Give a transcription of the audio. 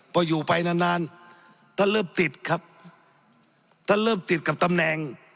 พออยู่ไปนานนานท่านเริ่มติดครับท่านเริ่มติดกับตำแหน่ง